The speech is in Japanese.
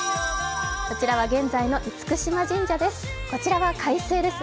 こちらは現在の厳島神社です。